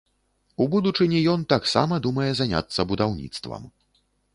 У будучыні ён таксама думае заняцца будаўніцтвам.